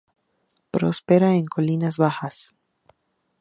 Prospera en colinas bajas.